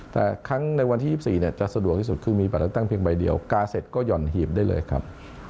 แต่ครั้งในวันที่๒๔จะสะดวกที่สุดคือมีบัตรเลือกตั้งเพียงใบเดียวกาเสร็จก็หย่อนหีบได้เลยครับ